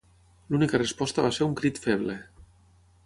L'única resposta va ser un crit feble.